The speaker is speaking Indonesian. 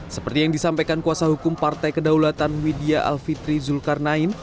seperti yang disampaikan kuasa hukum partai kedaulatan widya alfitri zulkarnain